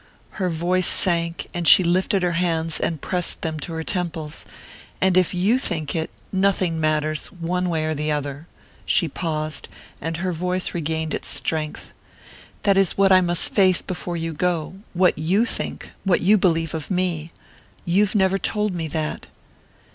Her voice sank, and she lifted her hands and pressed them to her temples. "And if you think it, nothing matters...one way or the other...." She paused, and her voice regained its strength. "That is what I must face before you go: what you think, what you believe of me. You've never told me that."